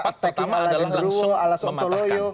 pertama adalah langsung mematahkan